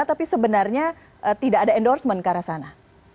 tapi sebenarnya tidak ada endorsement ke arah sana